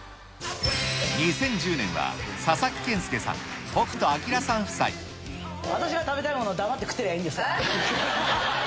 ２０１０年は佐々木健介さん、私が食べたいものを黙って食ってりゃいいんですから。